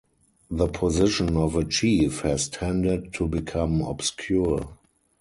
The position of a chief has tended to become obscure.